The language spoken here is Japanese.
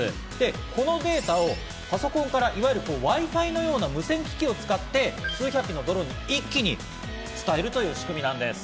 このデータをパソコンからいわゆるＷｉ−Ｆｉのような無線機器を使って数百機のドローンに一気に伝えるという仕組みなんです。